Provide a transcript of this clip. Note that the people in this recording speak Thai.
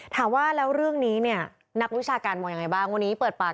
ถามว่าแล้วเรื่องนี้นักวิชาการมองอย่างไรบ้าง